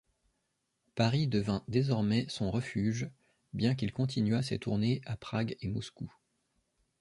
Paris devint désormais son refuge, bien qu'il continuât ses tournées à Prague et Moscou.